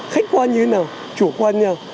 khách quan như thế nào chủ quan như thế nào